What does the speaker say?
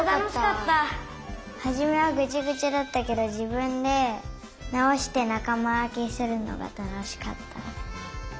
はじめはぐちゃぐちゃだったけどじぶんでなおしてなかまわけするのがたのしかった。